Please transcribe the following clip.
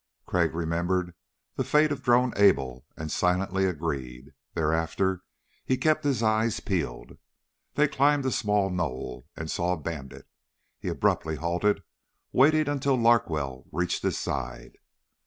Crag remembered the fate of Drone Able and silently agreed. Thereafter he kept his eyes peeled. They climbed a small knoll and saw Bandit. He abruptly halted, waiting until Larkwell reached his side.